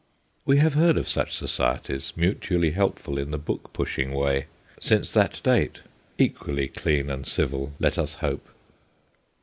We have heard of such societies, mutually help ful in the book pushing way, since that date equally clean and civil, let us hope.